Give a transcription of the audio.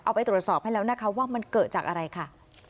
ไปตรวจสอบให้แล้วนะคะว่ามันเกิดจากอะไรค่ะ